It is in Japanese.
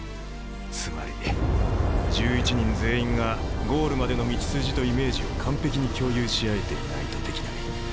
つまり１１人全員がゴールまでの道筋とイメージを完璧に共有し合えていないとできない。